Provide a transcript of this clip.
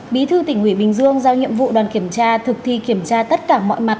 bí thư tỉnh ủy bình dương giao nhiệm vụ đoàn kiểm tra thực thi kiểm tra tất cả mọi mặt